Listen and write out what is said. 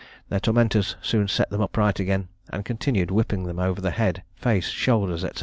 Their tormentors soon set them upright again, and continued whipping them over the head, face, shoulders, &c.